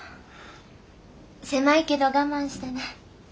狭いけど我慢してね。